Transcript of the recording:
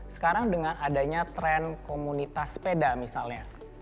sekarang dengan adanya tren komunitas sepeda misalnya